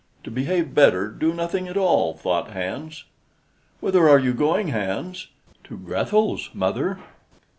"To behave better, do nothing at all," thought Hans. "Whither are you going, Hans?" "To Grethel's, mother."